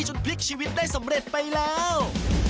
พลิกชีวิตได้สำเร็จไปแล้ว